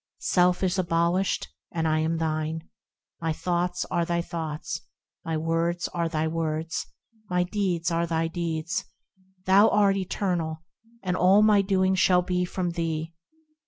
Self is abolished, and I am thine ; My thoughts are thy thoughts, My words are thy words, My deeds are thy deeds ; Thou art eternal, and all my doing shall be from thee.